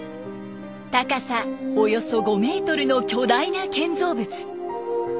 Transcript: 高さおよそ５メートルの巨大な建造物。